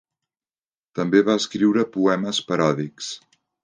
També va escriure poemes paròdics.